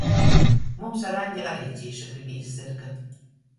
Mums ar Aņdi ari cīši gribīs zyrga.